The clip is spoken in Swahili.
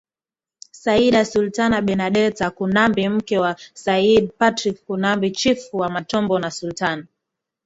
Sayyida Sultana Bernadeta Kunambi mke wa Sayyid Patrick Kunambi Chifu wa matombo na Sultan